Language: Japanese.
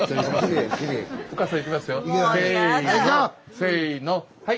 せのはい。